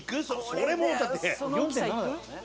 それもうだって。